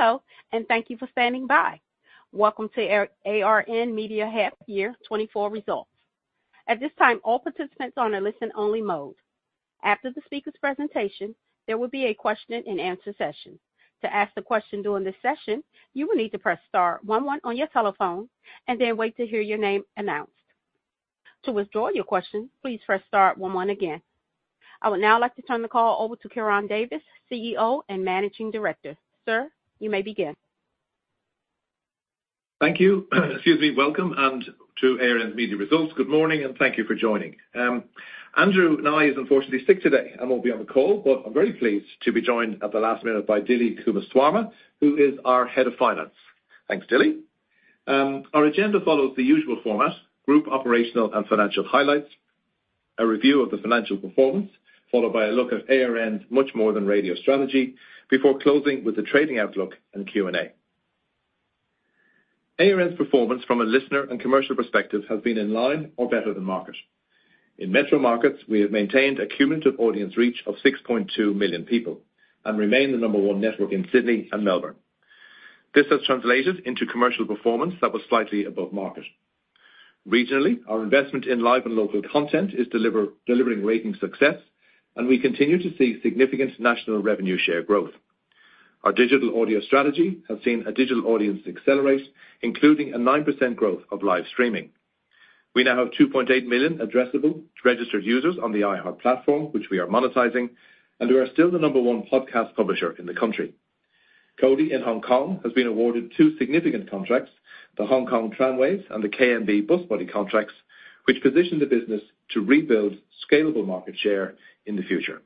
Hello, and thank you for standing by. Welcome to ARN Media Half Year 2024 results. At this time, all participants are on a listen-only mode. After the speaker's presentation, there will be a question and answer session. To ask the question during this session, you will need to press star one one on your telephone, and then wait to hear your name announced. To withdraw your question, please press star one one again. I would now like to turn the call over to Ciaran Davis, CEO and Managing Director. Sir, you may begin. Thank you. Excuse me, welcome to ARN Media Results. Good morning, and thank you for joining. Andrew Nye is unfortunately sick today and won't be on the call, but I'm very pleased to be joined at the last minute by Dilli Kumaraswamy, who is our Head of Finance. Thanks, Dilli. Our agenda follows the usual format, group operational and financial highlights, a review of the financial performance, followed by a look at ARN's Much More than Radio strategy, before closing with the trading outlook and Q&A. ARN's performance from a listener and commercial perspective has been in line or better than market. In metro markets, we have maintained a cumulative audience reach of 6.2 million people and remain the number one network in Sydney and Melbourne. This has translated into commercial performance that was slightly above market. Regionally, our investment in live and local content is delivering rating success, and we continue to see significant national revenue share growth. Our digital audio strategy has seen a digital audience accelerate, including a 9% growth of live streaming. We now have 2.8 million addressable registered users on the iHeart platform, which we are monetizing, and we are still the number one podcast publisher in the country. Cody, in Hong Kong, has been awarded two significant contracts, the Hong Kong Tramways and the KMB Bus Body contracts, which position the business to rebuild scalable market share in the future.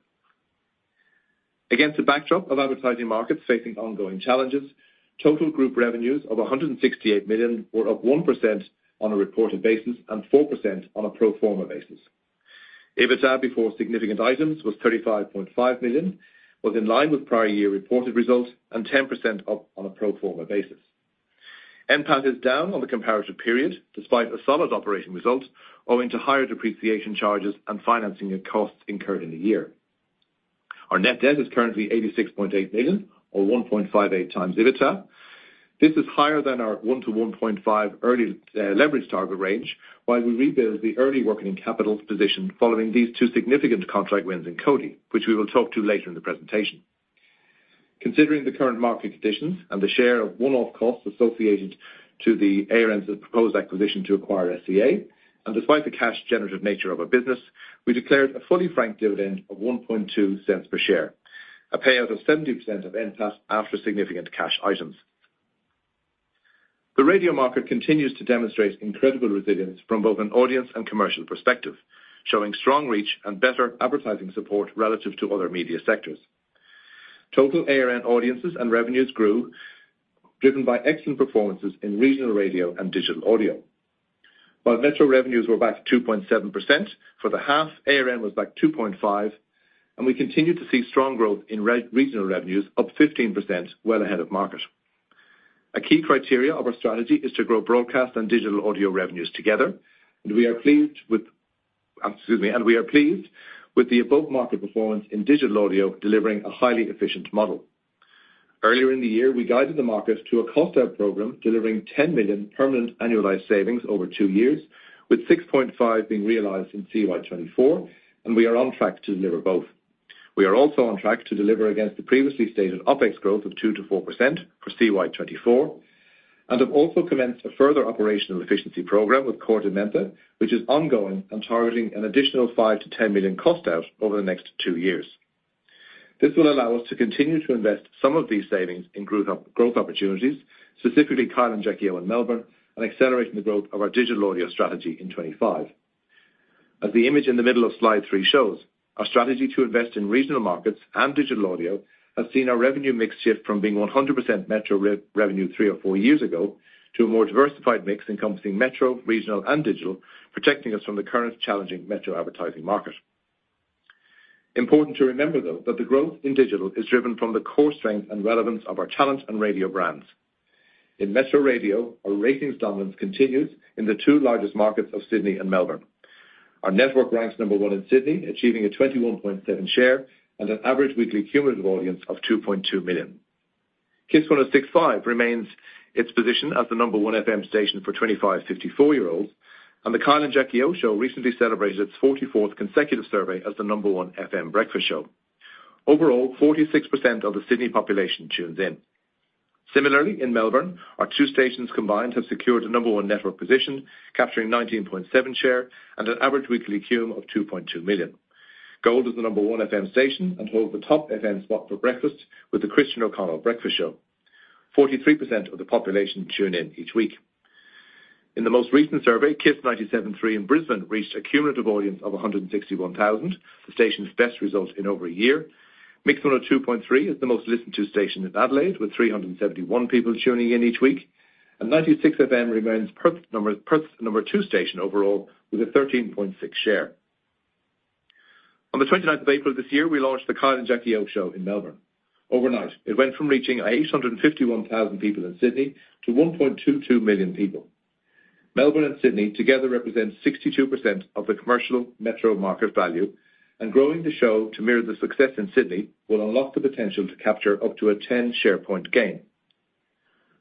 Against a backdrop of advertising markets facing ongoing challenges, total group revenues of 168 million were up 1% on a reported basis and 4% on a pro forma basis. EBITDA, before significant items, was 35.5 million, was in line with prior year reported results, and 10% up on a pro forma basis. NPAT is down on the comparative period, despite a solid operating result, owing to higher depreciation charges and financing of costs incurred in the year. Our net debt is currently 86.8 million or 1.58 times EBITDA. This is higher than our 1 to 1.5 EBITDA leverage target range, while we rebuild our working capital position following these two significant contract wins in Cody, which we will talk to later in the presentation. Considering the current market conditions and the share of one-off costs associated to the ARN's proposed acquisition to acquire SCA, and despite the cash-generative nature of our business, we declared a fully franked dividend of 0.012 per share, a payout of 70% of NPAT after significant cash items. The radio market continues to demonstrate incredible resilience from both an audience and commercial perspective, showing strong reach and better advertising support relative to other media sectors. Total ARN audiences and revenues grew, driven by excellent performances in regional radio and digital audio. While metro revenues were back 2.7%, for the half, ARN was back 2.5%, and we continued to see strong growth in regional revenues, up 15%, well ahead of market. A key criteria of our strategy is to grow broadcast and digital audio revenues together, and we are pleased with the above-market performance in digital audio, delivering a highly efficient model. Earlier in the year, we guided the market to a cost-out program, delivering 10 million permanent annualized savings over two years, with 6.5 being realized in CY 2024, and we are on track to deliver both. We are also on track to deliver against the previously stated OpEx growth of 2%-4% for CY 2024, and have also commenced a further operational efficiency program with KordaMentha, which is ongoing and targeting an additional 5-10 million cost out over the next two years. This will allow us to continue to invest some of these savings in group OpEx growth opportunities, specifically Kyle and Jackie O in Melbourne, and accelerating the growth of our digital audio strategy in 2025. As the image in the middle of slide 3 shows, our strategy to invest in regional markets and digital audio has seen our revenue mix shift from being 100% metro revenue three or four years ago, to a more diversified mix encompassing metro, regional, and digital, protecting us from the current challenging metro advertising market. Important to remember, though, that the growth in digital is driven from the core strength and relevance of our talent and radio brands. In metro radio, our ratings dominance continues in the two largest markets of Sydney and Melbourne. Our network ranks number one in Sydney, achieving a 21.7 share and an average weekly cumulative audience of 2.2 million. KIIS 106.5 remains its position as the number one FM station for 25- to 54-year-olds, and the Kyle and Jackie O Show recently celebrated its 44th consecutive survey as the number one FM breakfast show. Overall, 46% of the Sydney population tunes in. Similarly, in Melbourne, our two stations combined have secured the number one network position, capturing 19.7 share and an average weekly cume of 2.2 million. Gold is the number one FM station and holds the top FM spot for breakfast with the Christian O'Connell Breakfast Show. 43% of the population tune in each week. In the most recent survey, KIIS 97.3 in Brisbane reached a cumulative audience of 161,000, the station's best result in over a year. Mix 102.3 is the most listened-to station in Adelaide, with 371 people tuning in each week, and 96FM remains Perth's number two station overall, with a 13.6 share. On the twenty-ninth of April this year, we launched the Kyle and Jackie O Show in Melbourne. Overnight, it went from reaching 851,000 people in Sydney to 1.22 million people. Melbourne and Sydney together represent 62% of the commercial metro market value, and growing the show to mirror the success in Sydney will unlock the potential to capture up to a 10 share point gain.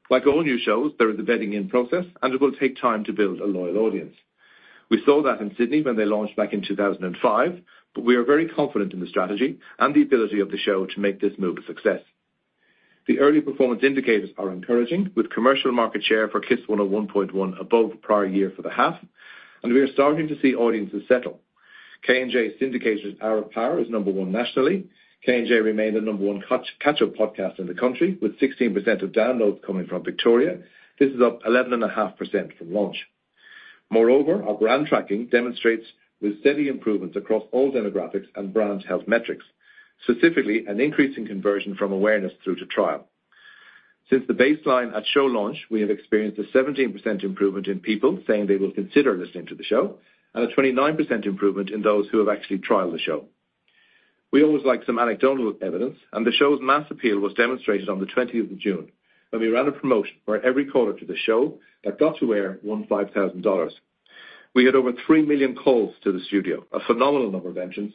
Like all new shows, there is a bedding-in process, and it will take time to build a loyal audience. We saw that in Sydney when they launched back in two thousand and five, but we are very confident in the strategy and the ability of the show to make this move a success. The early performance indicators are encouraging, with commercial market share for KIIS 101.1 above prior year for the half, and we are starting to see audiences settle. K&J's syndicated Hour of Power is number one nationally. K&J remained the number one catch-up podcast in the country, with 16% of downloads coming from Victoria. This is up 11.5% from launch. Moreover, our brand tracking demonstrates with steady improvements across all demographics and brand health metrics, specifically an increase in conversion from awareness through to trial. Since the baseline at show launch, we have experienced a 17% improvement in people saying they will consider listening to the show, and a 29% improvement in those who have actually trialed the show. We always like some anecdotal evidence, and the show's mass appeal was demonstrated on the twentieth of June, when we ran a promotion where every caller to the show that got to air won AUD 5,000. We had over 3 million calls to the studio, a phenomenal number of entries,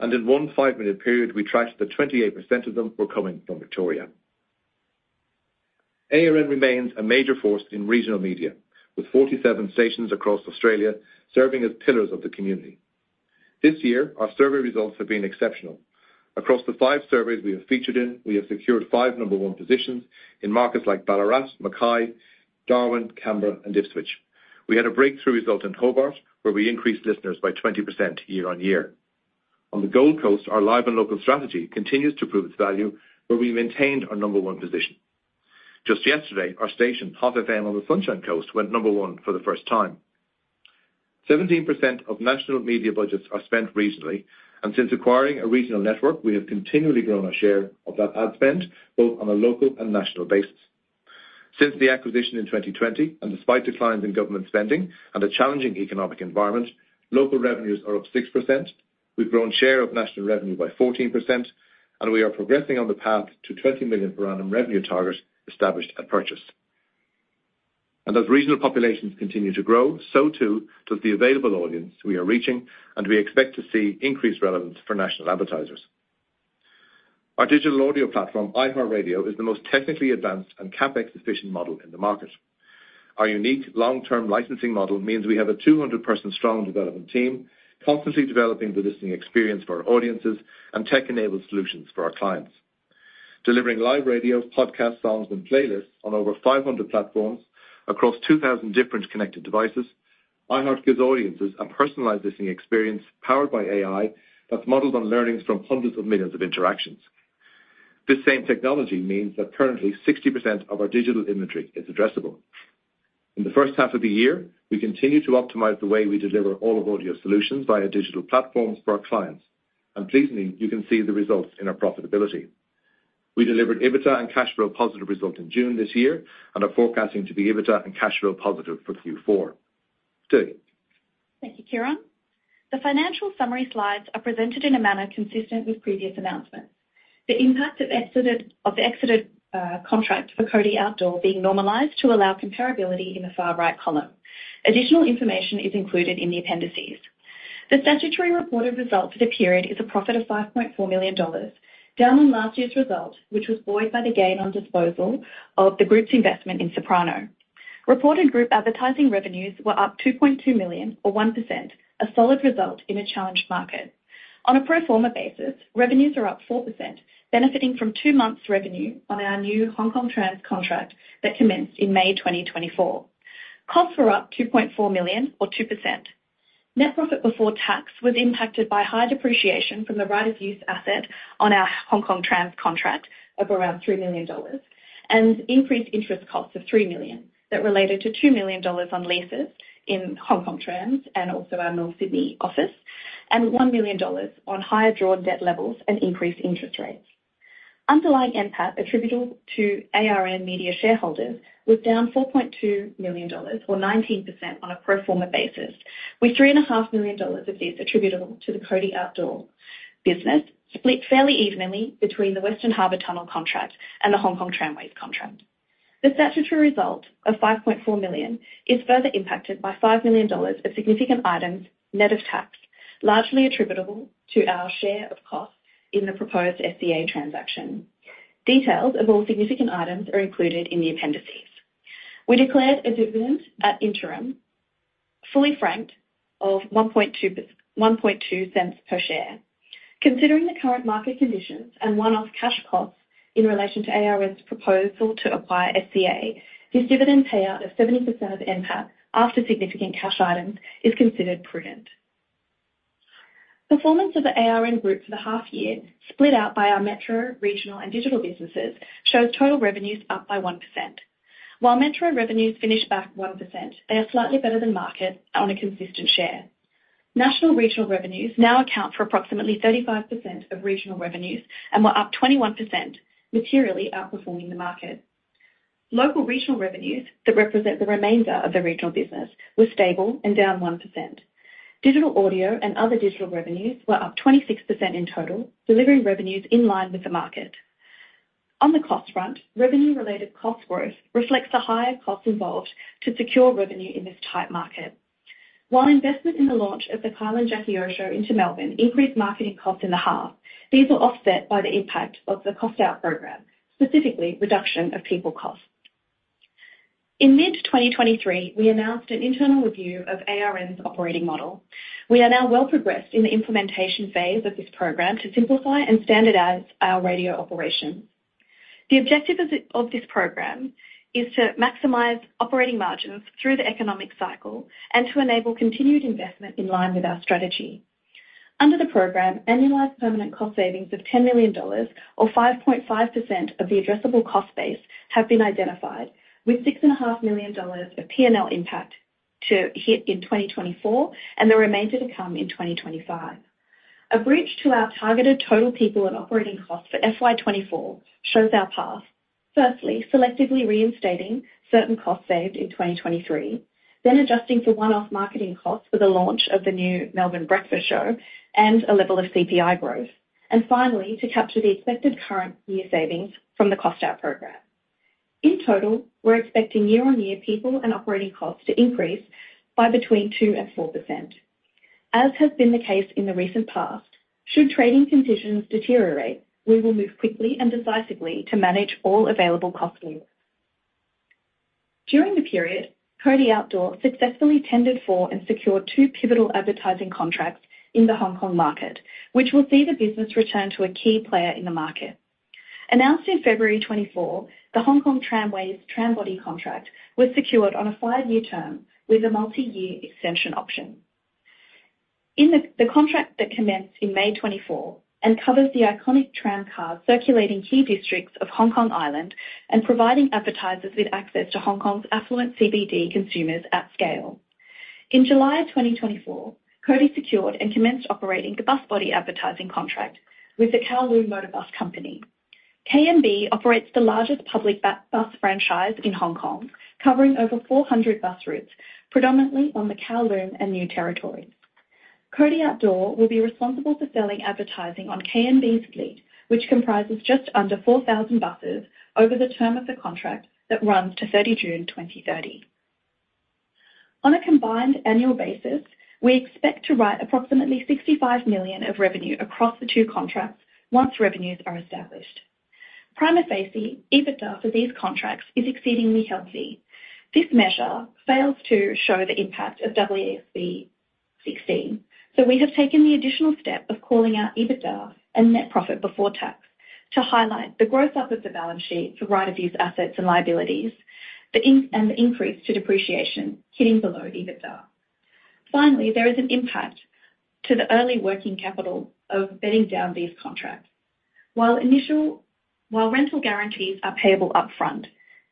and in one five-minute period, we tracked that 28% of them were coming from Victoria. ARN remains a major force in regional media, with 47 stations across Australia, serving as pillars of the community. This year, our survey results have been exceptional. Across the five surveys we have featured in, we have secured five number one positions in markets like Ballarat, Mackay, Darwin, Canberra, and Ipswich. We had a breakthrough result in Hobart, where we increased listeners by 20% year on year. On the Gold Coast, our live and local strategy continues to prove its value, where we maintained our number one position. Just yesterday, our station, Hot 91 on the Sunshine Coast, went number one for the first time. 17% of national media budgets are spent regionally, and since acquiring a regional network, we have continually grown our share of that ad spend, both on a local and national basis. Since the acquisition in 2020, and despite declines in government spending and a challenging economic environment, local revenues are up 6%. We've grown share of national revenue by 14%, and we are progressing on the path to 20 million per annum revenue target established at purchase, and as regional populations continue to grow, so too does the available audience we are reaching, and we expect to see increased relevance for national advertisers. Our digital audio platform, iHeartRadio, is the most technically advanced and CapEx-efficient model in the market. Our unique long-term licensing model means we have a 200-person-strong development team, constantly developing the listening experience for our audiences and tech-enabled solutions for our clients. Delivering live radio, podcast, songs, and playlists on over 500 platforms across 2,000 different connected devices, iHeart gives audiences a personalized listening experience powered by AI that's modeled on learnings from hundreds of millions of interactions. This same technology means that currently, 60% of our digital inventory is addressable. In the first half of the year, we continued to optimize the way we deliver all of audio solutions via digital platforms for our clients, and pleasingly, you can see the results in our profitability. We delivered EBITDA and cash flow positive result in June this year and are forecasting to be EBITDA and cash flow positive for Q4. Dilli? Thank you, Ciaran. The financial summary slides are presented in a manner consistent with previous announcements. The impact of the exited contract for Cody Outdoor being normalized to allow comparability in the far right column. Additional information is included in the appendices. The statutory reported results for the period is a profit of 5.4 million dollars, down on last year's result, which was buoyed by the gain on disposal of the group's investment in Soprano. Reported group advertising revenues were up 2.2 million, or 1%, a solid result in a challenged market. On a pro forma basis, revenues are up 4%, benefiting from two months' revenue on our new Hong Kong Tram contract that commenced in May 2024. Costs were up 2.4 million, or 2%. Net profit before tax was impacted by high depreciation from the right-of-use asset on our Hong Kong Tramways contract of around 3 million dollars, and increased interest costs of 3 million that related to 2 million dollars on leases in Hong Kong Tramways and also our North Sydney office, and 1 million dollars on higher drawn debt levels and increased interest rates. Underlying NPAT, attributable to ARN Media shareholders, was down 4.2 million dollars or 19% on a pro forma basis, with 3.5 million dollars of this attributable to the Cody Outdoor business, split fairly evenly between the Western Harbour Tunnel contract and the Hong Kong Tramways contract. The statutory result of 5.4 million is further impacted by 5 million dollars of significant items, net of tax, largely attributable to our share of costs in the proposed SCA transaction. Details of all significant items are included in the appendices. We declared a dividend at interim, fully franked, of 0.012 per share. Considering the current market conditions and one-off cash costs in relation to ARN's proposal to acquire SCA, this dividend payout of 70% of NPAT after significant cash items is considered prudent. Performance of the ARN Group for the half year, split out by our metro, regional, and digital businesses, shows total revenues up by 1%. While metro revenues finished back 1%, they are slightly better than market on a consistent share. National regional revenues now account for approximately 35% of regional revenues and were up 21%, materially outperforming the market. Local regional revenues that represent the remainder of the regional business were stable and down 1%. Digital audio and other digital revenues were up 26% in total, delivering revenues in line with the market. On the cost front, revenue-related cost growth reflects the higher costs involved to secure revenue in this tight market. While investment in the launch of the Kyle and Jackie O Show into Melbourne increased marketing costs in the half, these were offset by the impact of the cost-out program, specifically reduction of people costs. In mid-2023, we announced an internal review of ARN's operating model. We are now well progressed in the implementation phase of this program to simplify and standardize our radio operation. The objective of this program is to maximize operating margins through the economic cycle and to enable continued investment in line with our strategy. Under the program, annualized permanent cost savings of 10 million dollars, or 5.5% of the addressable cost base, have been identified, with 6.5 million dollars of P&L impact to hit in 2024, and the remainder to come in 2025. A bridge to our targeted total people and operating costs for FY 2024 shows our path. Firstly, selectively reinstating certain costs saved in 2023, then adjusting for one-off marketing costs with the launch of the new Melbourne Breakfast Show and a level of CPI growth, and finally, to capture the expected current year savings from the cost-out program. In total, we're expecting year-on-year people and operating costs to increase by between 2% and 4%. As has been the case in the recent past, should trading conditions deteriorate, we will move quickly and decisively to manage all available cost leaks. During the period, Cody Outdoor successfully tendered for and secured two pivotal advertising contracts in the Hong Kong market, which will see the business return to a key player in the market. Announced in February 2024, the Hong Kong Tramways tram body contract was secured on a five-year term with a multi-year extension option. The contract that commenced in May 2024 and covers the iconic tram cars circulating key districts of Hong Kong Island and providing advertisers with access to Hong Kong's affluent CBD consumers at scale. In July 2024, Cody secured and commenced operating the bus body advertising contract with the Kowloon Motor Bus Company. KMB operates the largest public bus franchise in Hong Kong, covering over four hundred bus routes, predominantly on the Kowloon and New Territories. Cody Outdoor will be responsible for selling advertising on KMB's fleet, which comprises just under 4,000 buses over the term of the contract that runs to 30 June 2030. On a combined annual basis, we expect to write approximately 65 million of revenue across the two contracts once revenues are established. Prima facie, EBITDA for these contracts is exceedingly healthy. This measure fails to show the impact of AASB 16, so we have taken the additional step of calling out EBITDA and net profit before tax, to highlight the build-up of the balance sheet for right-of-use assets and liabilities, and the increase to depreciation hitting below EBITDA. Finally, there is an impact to the early working capital of bedding down these contracts. While rental guarantees are payable upfront,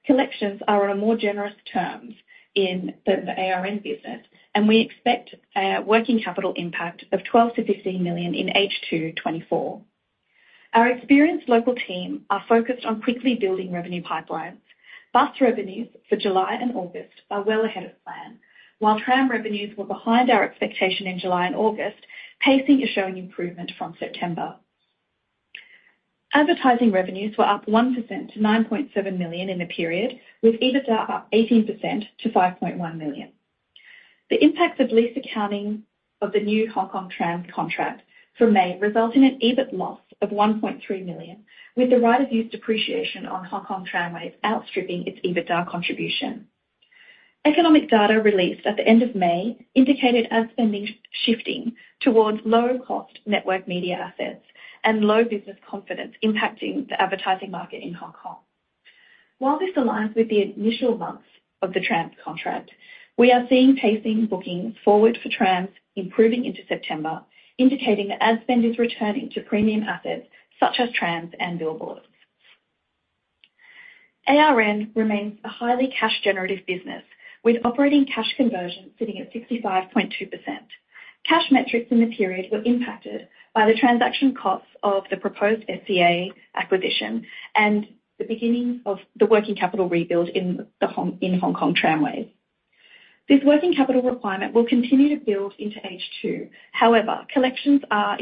collections are on a more generous terms in the ARN business, and we expect a working capital impact of 12-15 million in H2 2024. Our experienced local team are focused on quickly building revenue pipelines. Bus revenues for July and August are well ahead of plan. While tram revenues were behind our expectation in July and August, pacing is showing improvement from September. Advertising revenues were up 1% to 9.7 million in the period, with EBITDA up 18% to 5.1 million. The impact of lease accounting of the new Hong Kong tram contract from May result in an EBIT loss of 1.3 million, with the right-of-use depreciation on Hong Kong Tramways outstripping its EBITDA contribution. Economic data released at the end of May indicated ad spending shifting towards low-cost network media assets and low business confidence impacting the advertising market in Hong Kong. While this aligns with the initial months of the trams contract, we are seeing pacing bookings forward for trams improving into September, indicating that ad spend is returning to premium assets such as trams and billboards. ARN remains a highly cash-generative business, with operating cash conversion sitting at 65.2%. Cash metrics in the period were impacted by the transaction costs of the proposed SCA acquisition and the beginning of the working capital rebuild in Hong Kong Tramways. This working capital requirement will continue to build into H2. However, collections are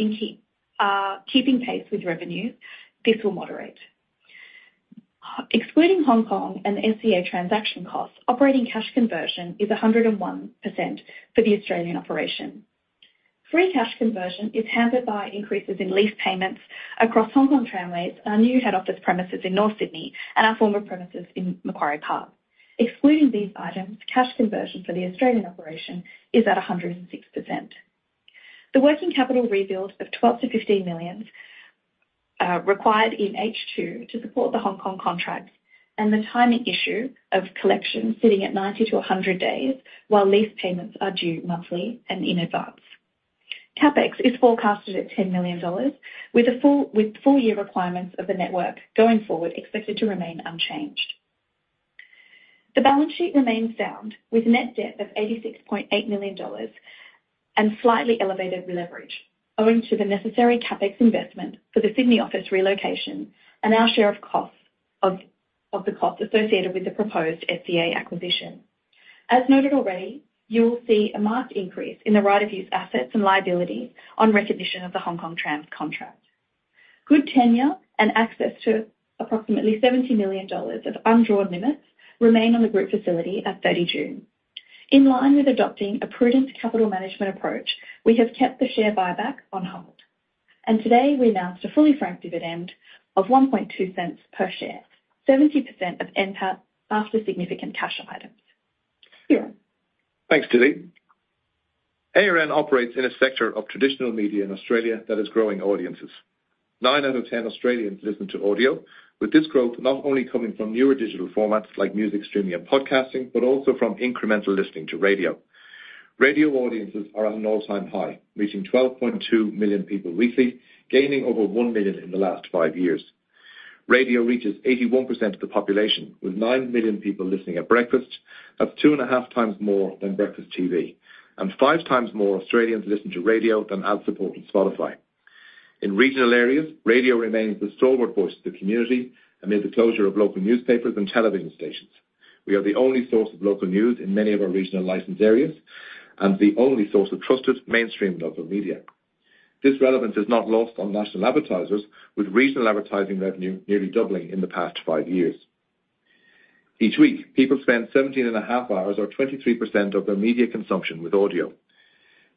keeping pace with revenues. This will moderate. Excluding Hong Kong and the SCA transaction costs, operating cash conversion is 101% for the Australian operation. Free cash conversion is hampered by increases in lease payments across Hong Kong Tramways, our new head office premises in North Sydney, and our former premises in Macquarie Park. Excluding these items, cash conversion for the Australian operation is at 106%. The working capital rebuild of 12-15 million required in H2 to support the Hong Kong contracts and the timing issue of collections sitting at 90-100 days, while lease payments are due monthly and in advance. CapEx is forecasted at 10 million dollars, with full year requirements of the network going forward expected to remain unchanged. The balance sheet remains sound, with net debt of 86.8 million dollars and slightly elevated leverage, owing to the necessary CapEx investment for the Sydney office relocation and our share of costs of the cost associated with the proposed SCA acquisition. As noted already, you will see a marked increase in the right-of-use assets and liabilities on recognition of the Hong Kong Tramways contract. Good tenor and access to approximately 70 million dollars of undrawn limits remain on the group facility at 30 June. In line with adopting a prudent capital management approach, we have kept the share buyback on hold, and today we announced a fully franked dividend of 1.2 cents per share, 70% of NPAT after significant cash items. Ciaran? Thanks, Dilli. ARN operates in a sector of traditional media in Australia that is growing audiences. Nine out of ten Australians listen to audio, with this growth not only coming from newer digital formats like music streaming and podcasting, but also from incremental listening to radio. Radio audiences are at an all-time high, reaching 12.2 million people weekly, gaining over 1 million in the last five years. Radio reaches 81% of the population, with 9 million people listening at breakfast. That's two and a half times more than breakfast TV, and five times more Australians listen to radio than ad-supported Spotify. In regional areas, radio remains the stalwart voice of the community amid the closure of local newspapers and television stations. We are the only source of local news in many of our regional licensed areas and the only source of trusted, mainstream local media. This relevance is not lost on national advertisers, with regional advertising revenue nearly doubling in the past five years. Each week, people spend seventeen and a half hours, or 23% of their media consumption, with audio.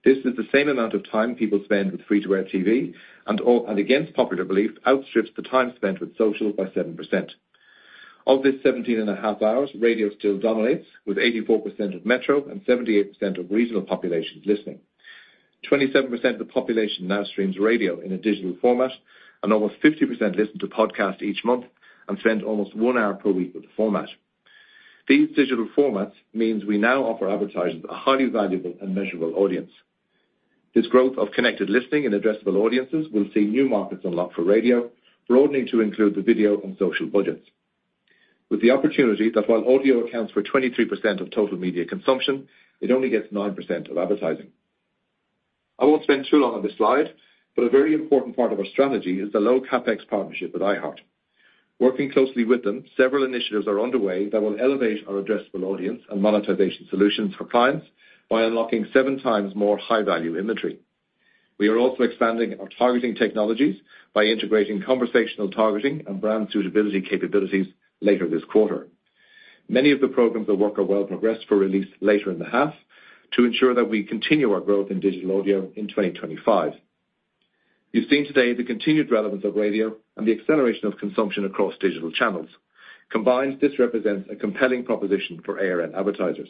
This is the same amount of time people spend with free-to-air TV, and against popular belief, outstrips the time spent with social by 7%. Of this seventeen and a half hours, radio still dominates, with 84% of metro and 78% of regional populations listening. 27% of the population now streams radio in a digital format, and almost 50% listen to podcasts each month and spend almost one hour per week with the format. These digital formats means we now offer advertisers a highly valuable and measurable audience. This growth of connected listening and addressable audiences will see new markets unlocked for radio, broadening to include the video and social budgets. With the opportunity that while audio accounts for 23% of total media consumption, it only gets 9% of advertising. I won't spend too long on this slide, but a very important part of our strategy is the low CapEx partnership with iHeart. Working closely with them, several initiatives are underway that will elevate our addressable audience and monetization solutions for clients by unlocking seven times more high-value inventory. We are also expanding our targeting technologies by integrating conversational targeting and brand suitability capabilities later this quarter. Many of the programs that work are well progressed for release later in the half to ensure that we continue our growth in digital audio in 2025. You've seen today the continued relevance of radio and the acceleration of consumption across digital channels. Combined, this represents a compelling proposition for ARN advertisers.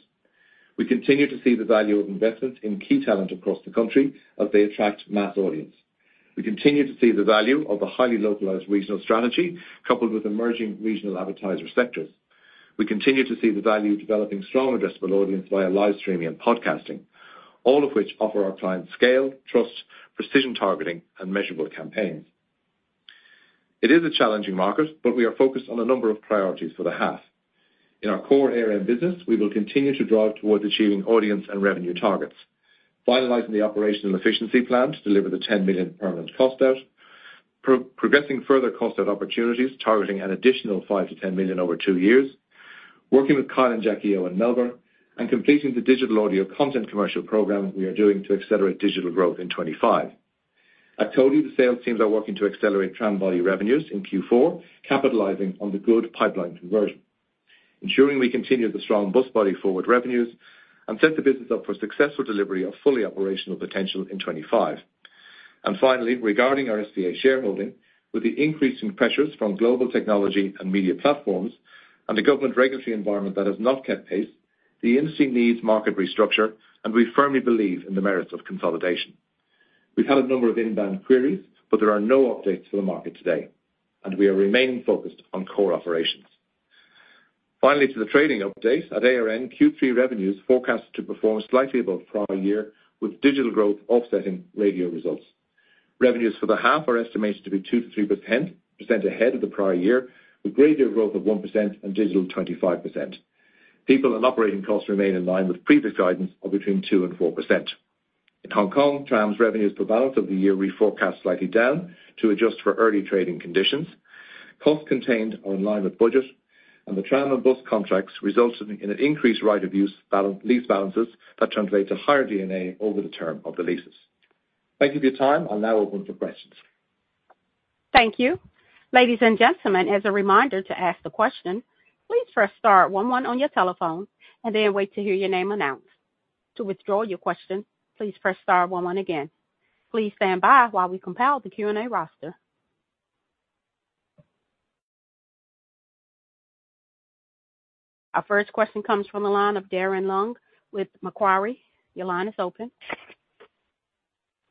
We continue to see the value of investment in key talent across the country as they attract mass audience. We continue to see the value of a highly localized regional strategy, coupled with emerging regional advertiser sectors. We continue to see the value of developing strong addressable audience via live streaming and podcasting, all of which offer our clients scale, trust, precision targeting, and measurable campaigns. It is a challenging market, but we are focused on a number of priorities for the half. In our core ARN business, we will continue to drive towards achieving audience and revenue targets, finalizing the operational efficiency plan to deliver the 10 million permanent cost out, progressing further cost out opportunities, targeting an additional 5-10 million over two years, working with Kyle and Jackie O in Melbourne, and completing the digital audio content commercial program we are doing to accelerate digital growth in 2025. I told you, the sales teams are working to accelerate tram body revenues in Q4, capitalizing on the good pipeline conversion, ensuring we continue the strong bus body forward revenues, and set the business up for successful delivery of fully operational potential in 2025. And finally, regarding our SCA shareholding, with the increasing pressures from global technology and media platforms and a government regulatory environment that has not kept pace, the industry needs market restructure, and we firmly believe in the merits of consolidation. We've had a number of inbound queries, but there are no updates for the market today, and we are remaining focused on core operations. Finally, to the trading update. At ARN, Q3 revenues forecast to perform slightly above prior year, with digital growth offsetting radio results. Revenues for the half are estimated to be 2-3% ahead of the prior year, with radio growth of 1% and digital, 25%. People and operating costs remain in line with previous guidance of between 2% and 4%. In Hong Kong, Trams revenues for balance of the year, we forecast slightly down to adjust for early trading conditions. Costs contained are in line with budget, and the Tram and Bus contracts resulted in an increased right-of-use balance, lease balances that translate to higher D&A over the term of the leases. Thank you for your time. I'll now open for questions. Thank you. Ladies and gentlemen, as a reminder to ask the question, please press star one one on your telephone and then wait to hear your name announced. To withdraw your question, please press star one one again. Please stand by while we compile the Q&A roster. Our first question comes from the line of Darren Leung with Macquarie. Your line is open.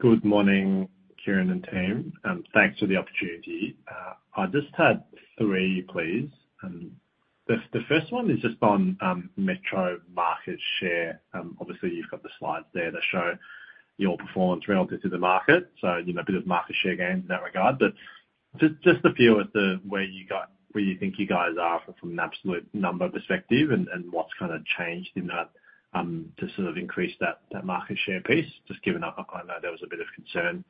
Good morning, Ciaran and team, and thanks for the opportunity. I just had three, please, and the first one is just on metro market share. Obviously you've got the slides there that show your performance relative to the market, so you know, a bit of market share gain in that regard. But just a feel of the where you think you guys are from an absolute number perspective, and what's kind of changed in that to sort of increase that market share piece, just given up, I know there was a bit of concern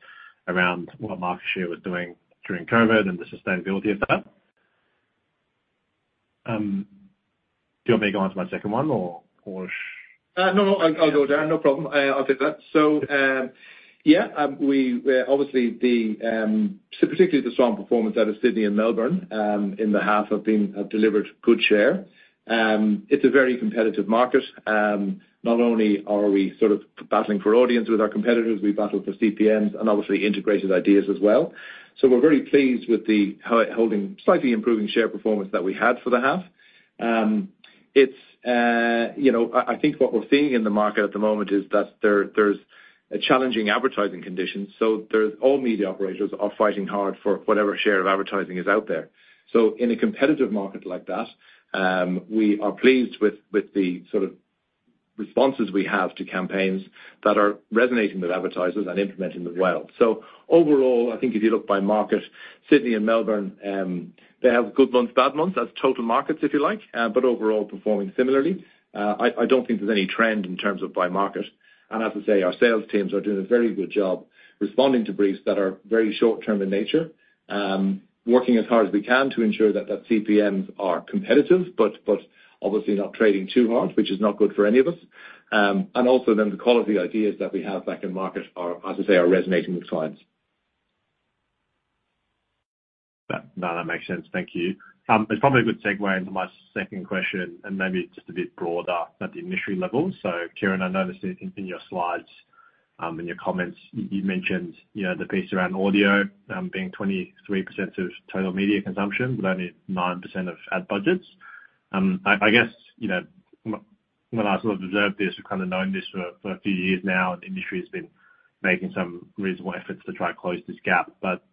around what market share was doing during Covid and the sustainability of that? Do you want me to go on to my second one or or- No, no, I'll go, Darren, no problem. I'll take that. So, yeah, we obviously so particularly the strong performance out of Sydney and Melbourne in the half have delivered good share. It's a very competitive market. Not only are we sort of battling for audience with our competitors, we battle for CPMs and obviously integrated ideas as well. So we're very pleased with the holding, slightly improving share performance that we had for the half. It's, you know, I think what we're seeing in the market at the moment is that there's a challenging advertising conditions, so there's all media operators are fighting hard for whatever share of advertising is out there. So in a competitive market like that, we are pleased with the sort of responses we have to campaigns that are resonating with advertisers and implementing them well, so overall, I think if you look by market, Sydney and Melbourne, they have good months, bad months as total markets, if you like, but overall performing similarly. I don't think there's any trend in terms of by market, and as I say, our sales teams are doing a very good job responding to briefs that are very short term in nature, working as hard as we can to ensure that the CPMs are competitive, but obviously not trading too hard, which is not good for any of us, and also then the quality ideas that we have back in market are, as I say, resonating with clients. Yeah. No, that makes sense. Thank you. It's probably a good segue into my second question, and maybe just a bit broader at the industry level. So, Ciaran, I noticed in your slides, in your comments, you know, the piece around audio being 23% of total media consumption, but only 9% of ad budgets. I guess, you know, when I sort of observed this, we've kind of known this for a few years now, the industry has been making some reasonable efforts to try to close this gap. But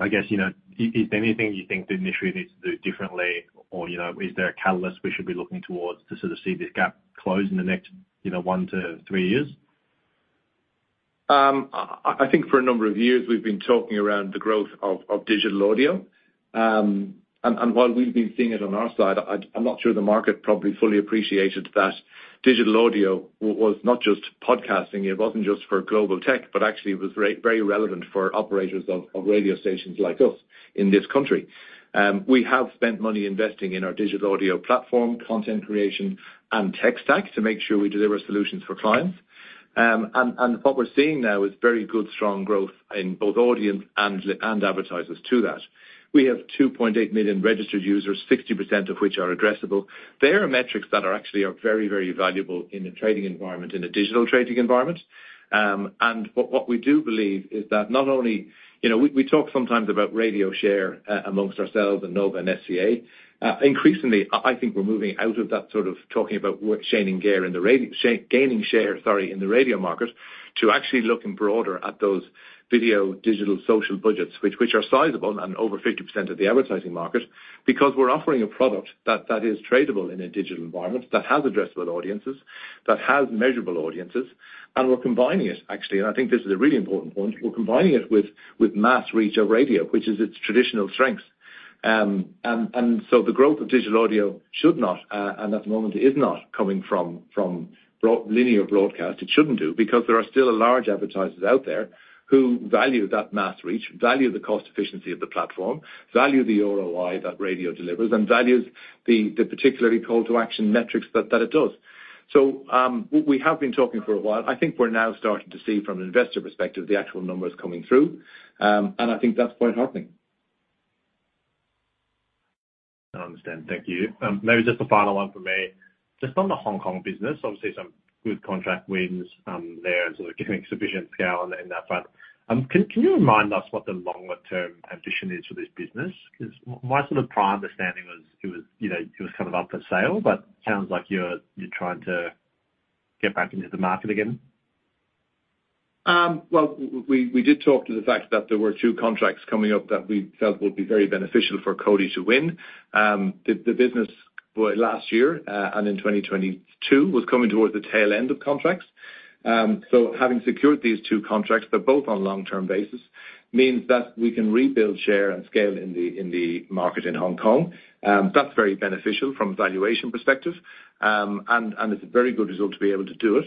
I guess, you know, is there anything you think the industry needs to do differently or, you know, is there a catalyst we should be looking towards to sort of see this gap close in the next, you know, one to three years? I think for a number of years, we've been talking around the growth of digital audio. And while we've been seeing it on our side, I'm not sure the market probably fully appreciated that digital audio was not just podcasting, it wasn't just for global tech, but actually it was very, very relevant for operators of radio stations like us in this country. We have spent money investing in our digital audio platform, content creation, and tech stack to make sure we deliver solutions for clients. And what we're seeing now is very good, strong growth in both audience and listeners and advertisers to that. We have 2.8 million registered users, 60% of which are addressable. They are metrics that are actually very, very valuable in a trading environment, in a digital trading environment. And but what we do believe is that not only. You know, we talk sometimes about radio share among ourselves and Nova and SCA. Increasingly, I think we're moving out of that sort of talking about we're changing gear in the gaining share, sorry, in the radio market, to actually looking broader at those video, digital, social budgets, which are sizable and over 50% of the advertising market, because we're offering a product that is tradable in a digital environment, that has addressable audiences, that has measurable audiences, and we're combining it, actually, and I think this is a really important point. We're combining it with mass reach of radio, which is its traditional strength. And so the growth of digital audio should not, and at the moment, it is not coming from linear broadcast. It shouldn't do, because there are still large advertisers out there who value that mass reach, value the cost efficiency of the platform, value the ROI that radio delivers, and values the particularly call to action metrics that it does. So, we have been talking for a while. I think we're now starting to see from an investor perspective, the actual numbers coming through, and I think that's quite heartening. I understand. Thank you. Maybe just a final one for me. Just on the Hong Kong business, obviously some good contract wins, there and sort of getting sufficient scale on that front. Can you remind us what the longer term ambition is for this business? Because my sort of prior understanding was it was, you know, it was kind of up for sale, but sounds like you're trying to get back into the market again. Well, we did talk to the fact that there were two contracts coming up that we felt would be very beneficial for Cody to win. The business last year and in 2022 was coming towards the tail end of contracts. So having secured these two contracts, they're both on long-term basis, means that we can rebuild, share, and scale in the market in Hong Kong. That's very beneficial from a valuation perspective, and it's a very good result to be able to do it.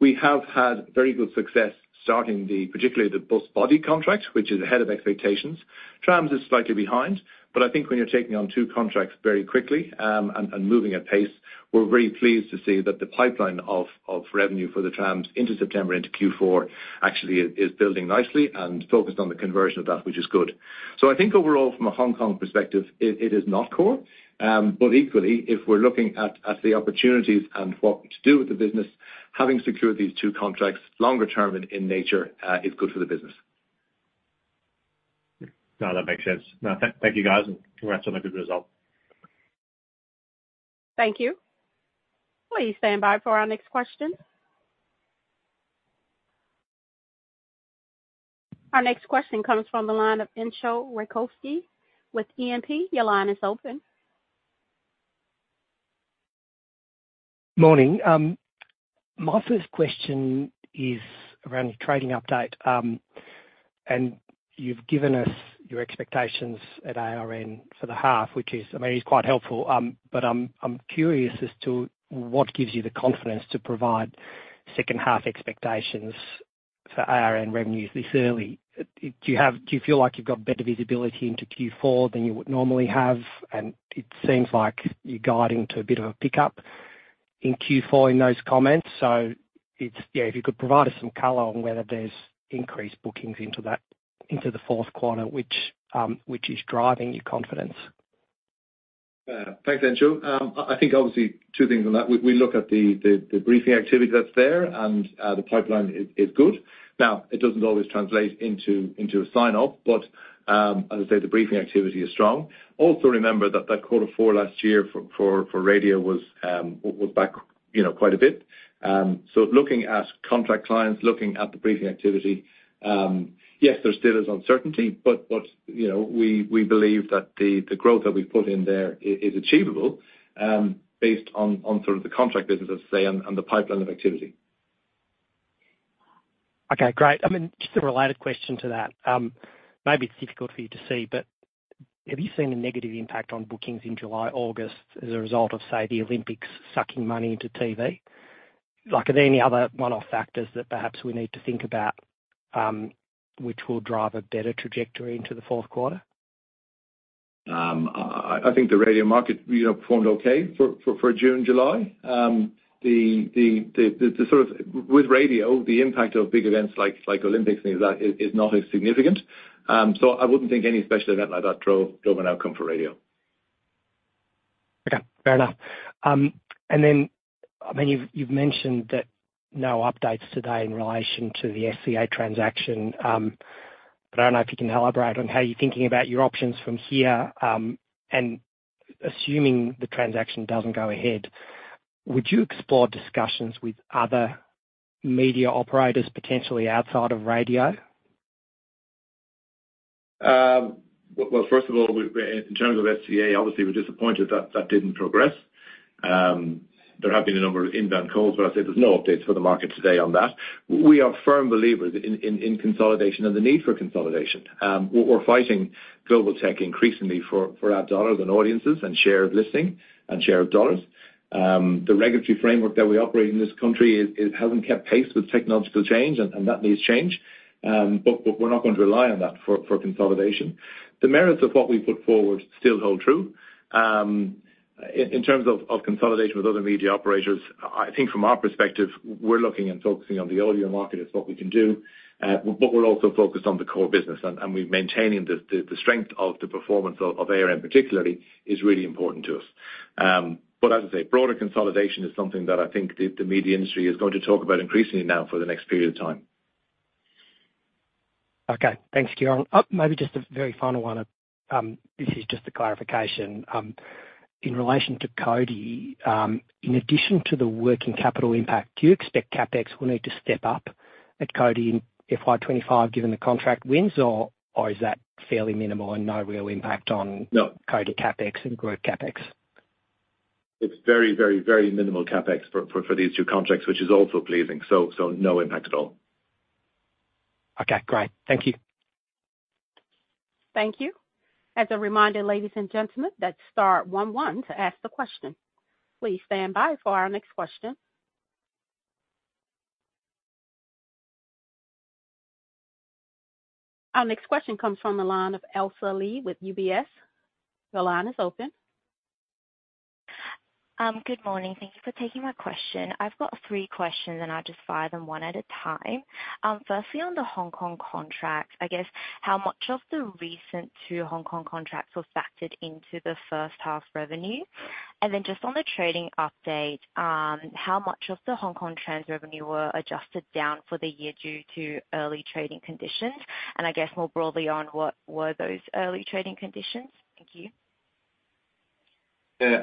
We have had very good success starting, particularly the bus body contract, which is ahead of expectations. Trams is slightly behind, but I think when you're taking on two contracts very quickly and moving at pace, we're very pleased to see that the pipeline of revenue for the trams into September, into Q4, actually is building nicely and focused on the conversion of that, which is good, so I think overall, from a Hong Kong perspective, it is not core, but equally, if we're looking at the opportunities and what to do with the business, having secured these two contracts, longer term in nature, is good for the business. No, that makes sense. No, thank you, guys, and congrats on a good result. Thank you. Please stand by for our next question. Our next question comes from the line of Entcho Raykovski with E&P. Your line is open. Morning. My first question is around the trading update, and you've given us your expectations at ARN for the half, which is, I mean, quite helpful. But I'm curious as to what gives you the confidence to provide second half expectations for ARN revenues this early. Do you feel like you've got better visibility into Q4 than you would normally have? And it seems like you're guiding to a bit of a pickup in Q4 in those comments. So it's yeah, if you could provide us some color on whether there's increased bookings into that, into the fourth quarter, which is driving your confidence. Thanks, Entcho. I think obviously two things on that. We look at the briefing activity that's there, and the pipeline is good. Now, it doesn't always translate into a sign off, but as I say, the briefing activity is strong. Also, remember that quarter four last year for radio was back, you know, quite a bit. So looking at contract clients, looking at the briefing activity, yes, there still is uncertainty, but you know, we believe that the growth that we've put in there is achievable, based on sort of the contract business, as I say, and the pipeline of activity. Okay, great. I mean, just a related question to that. Maybe it's difficult for you to see, but have you seen a negative impact on bookings in July, August as a result of, say, the Olympics sucking money into TV? Like, are there any other one-off factors that perhaps we need to think about, which will drive a better trajectory into the fourth quarter? I think the radio market, you know, performed okay for June, July. The sort of with radio, the impact of big events like Olympics and things like that is not as significant. So I wouldn't think any special event like that drove an outcome for radio. Okay, fair enough, and then, I mean, you've mentioned that no updates today in relation to the SCA transaction, but I don't know if you can elaborate on how you're thinking about your options from here, and assuming the transaction doesn't go ahead, would you explore discussions with other media operators, potentially outside of radio? Well, first of all, in terms of SCA, obviously we're disappointed that that didn't progress. There have been a number of inbound calls, but I say there's no updates for the market today on that. We are firm believers in consolidation and the need for consolidation. We're fighting global tech increasingly for ad dollars and audiences and share of listening and share of dollars. The regulatory framework that we operate in this country is hasn't kept pace with technological change, and that needs change. But we're not going to rely on that for consolidation. The merits of what we put forward still hold true. In terms of consolidation with other media operators, I think from our perspective, we're looking and focusing on the audio market as what we can do, but we're also focused on the core business, and we're maintaining the strength of the performance of ARN particularly, is really important to us. But as I say, broader consolidation is something that I think the media industry is going to talk about increasingly now for the next period of time. Okay. Thanks, Ciaran. Maybe just a very final one. This is just a clarification. In relation to Cody, in addition to the working capital impact, do you expect CapEx will need to step up at Cody in FY twenty-five, given the contract wins, or, or is that fairly minimal and no real impact on- No... Cody CapEx and group CapEx? It's very, very, very minimal CapEx for these two contracts, which is also pleasing. So no impact at all. Okay, great. Thank you. Thank you. As a reminder, ladies and gentlemen, that's star one one to ask the question. Please stand by for our next question. Our next question comes from the line of Elsa Li with UBS. Your line is open. Good morning. Thank you for taking my question. I've got three questions, and I'll just fire them one at a time. Firstly, on the Hong Kong contract, I guess how much of the recent two Hong Kong contracts were factored into the first half revenue? And then just on the trading update, how much of the Hong Kong trends revenue were adjusted down for the year due to early trading conditions? And I guess more broadly on what were those early trading conditions? Thank you.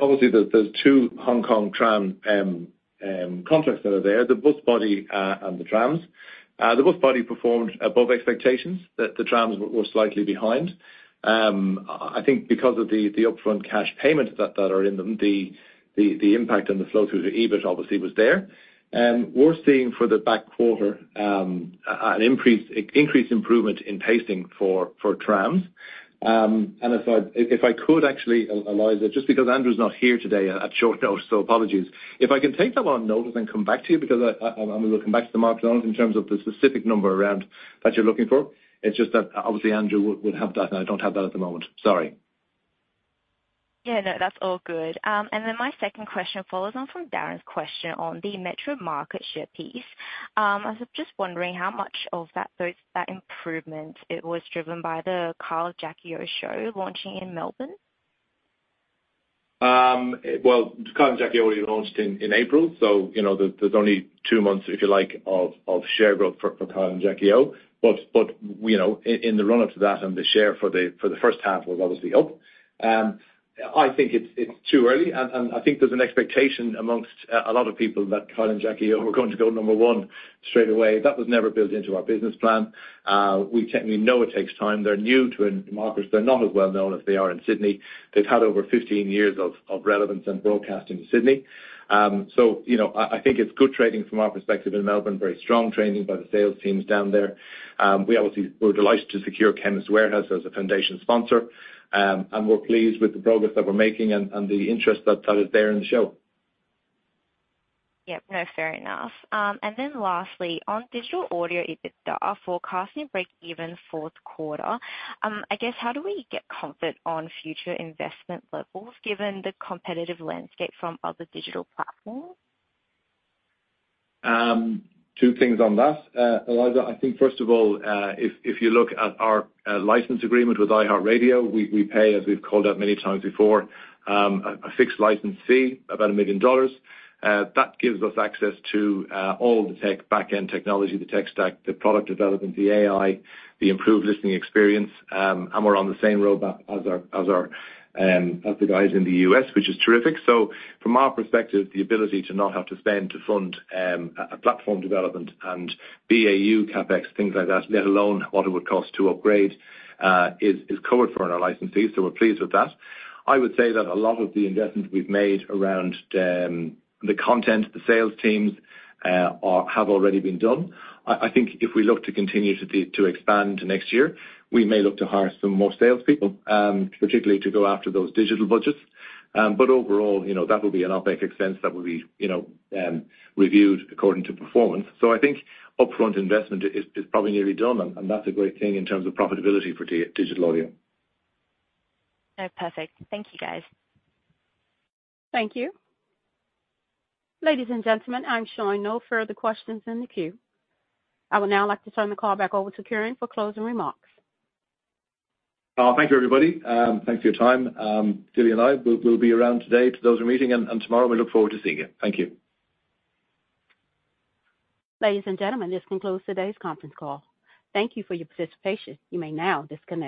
Obviously, there are two Hong Kong tram contracts that are there, the bus body and the trams. The bus body performed above expectations. The trams were slightly behind. I think because of the upfront cash payments that are in them, the impact on the flow through to EBIT obviously was there. We're seeing for the back quarter an increased improvement in pacing for trams. And if I could actually, Elsa, just because Andrew's not here today at short notice, so apologies. If I can take that one on notice and come back to you, because I, I'm looking back to the market in terms of the specific number around that you're looking for. It's just that obviously Andrew would have that, and I don't have that at the moment. Sorry. Yeah. No, that's all good. And then my second question follows on from Darren's question on the metro market share piece. I was just wondering how much of that improvement it was driven by the Kyle and Jackie O Show launching in Melbourne? Well, Kyle and Jackie O launched in April, so you know, there's only two months, if you like, of share growth for Kyle and Jackie O. But you know, in the run-up to that and the share for the first half was obviously up. I think it's too early, and I think there's an expectation amongst a lot of people that Kyle and Jackie O were going to go number one straight away. That was never built into our business plan. We know it takes time. They're new to a market. They're not as well known as they are in Sydney. They've had over fifteen years of relevance and broadcast in Sydney. So, you know, I think it's good trading from our perspective in Melbourne, very strong trading by the sales teams down there. We obviously, we're delighted to secure Chemist Warehouse as a foundation sponsor, and we're pleased with the progress that we're making and the interest that is there in the show.... Yep, no, fair enough. And then lastly, on digital audio EBITDA, forecasting breakeven fourth quarter, I guess, how do we get comfort on future investment levels given the competitive landscape from other digital platforms? Two things on that, Elsa. I think first of all, if you look at our license agreement with iHeartRadio, we pay, as we've called out many times before, a fixed license fee, about 1 million dollars. That gives us access to all the tech, back-end technology, the tech stack, the product development, the AI, the improved listening experience, and we're on the same roadmap as the guys in the US, which is terrific. So from our perspective, the ability to not have to spend to fund a platform development and BAU CapEx, things like that, let alone what it would cost to upgrade, is covered for in our license fees, so we're pleased with that. I would say that a lot of the investments we've made around the content, the sales teams, have already been done. I think if we look to continue to expand next year, we may look to hire some more salespeople, particularly to go after those digital budgets. But overall, you know, that will be an OpEx in the sense that will be, you know, reviewed according to performance. So I think upfront investment is probably nearly done, and that's a great thing in terms of profitability for digital audio. Oh, perfect. Thank you, guys. Thank you. Ladies and gentlemen, I'm showing no further questions in the queue. I would now like to turn the call back over to Ciaran for closing remarks. Thank you, everybody. Thanks for your time. Julie and I will be around today to those we're meeting, and tomorrow we look forward to seeing you. Thank you. Ladies and gentlemen, this concludes today's conference call. Thank you for your participation. You may now disconnect.